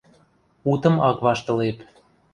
Утым ак ваштылеп.